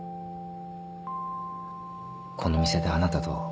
この店であなたと。